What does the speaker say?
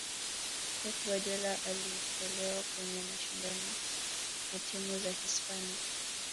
pep guardiola alitolewa kwenye mashindano na timu za hispania